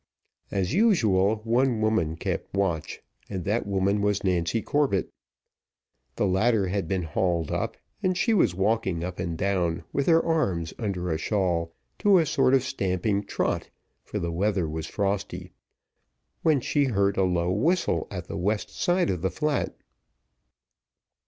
As usual, one woman kept watch, and that woman was Nancy Corbett. The ladder had been hauled up, and she was walking up and down, with her arms under a shawl, to a sort of stamping trot, for the weather was frosty, when she heard a low whistle at the west side of the flat.